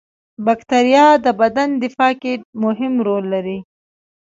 بکتریا د بدن دفاع کې مهم رول لري